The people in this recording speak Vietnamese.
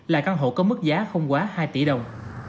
là căn hộ có mức giá không quá hai tỷ đồng